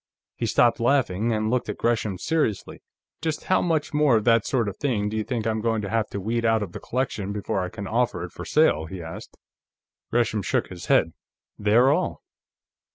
He stopped laughing, and looked at Gresham seriously. "Just how much more of that sort of thing do you think I'm going to have to weed out of the collection, before I can offer it for sale?" he asked. Gresham shook his head. "They're all.